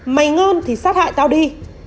mày ngơn thì sát hại tao đi